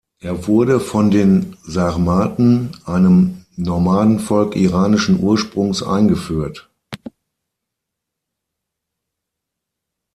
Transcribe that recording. Er wurde von den Sarmaten, einem Nomadenvolk iranischen Ursprungs, eingeführt.